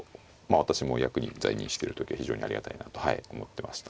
私も役員在任してる時は非常にありがたいなと思ってました。